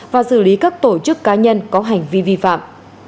và xử lý các tổ chức cá nhân có hành vi vi phạm